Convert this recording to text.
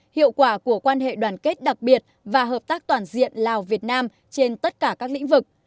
hiệu quả của quan hệ đoàn kết đặc biệt và hợp tác toàn diện lào việt nam trên tất cả các lĩnh vực